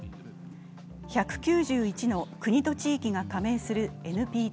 １９１の国と地域が加盟するＮＰＴ。